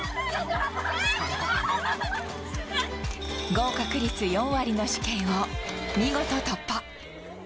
合格率４割の試験を見事突破。